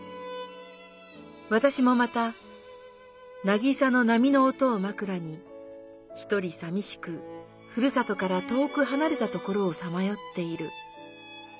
わたしもまたなぎさの波の音をまくらにひとりさみしくふるさとから遠くはなれたところをさまよっている。